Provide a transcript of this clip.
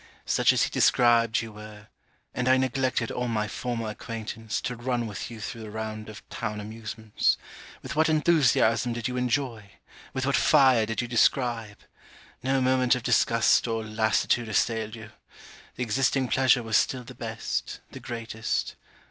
Such as he described, you were; and I neglected all my former acquaintance, to run with you through the round of town amusements: With what enthusiasm did you enjoy! with what fire did you describe! No moment of disgust or lassitude assailed you. The existing pleasure was still the best, the greatest.